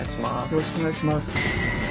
よろしくお願いします。